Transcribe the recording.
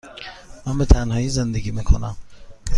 من به تنهایی زندگی می کنم.